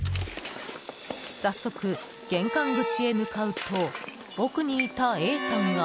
早速、玄関口へ向かうと奥にいたＡさんが。